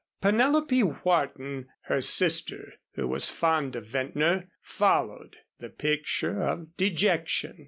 Penelope Wharton, her sister, who was fond of Ventnor, followed, the picture of dejection.